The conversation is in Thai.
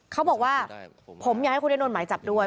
เขาบอกว่าผมอยากให้คุณได้โดนหมายจับด้วย